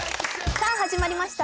さあ始まりました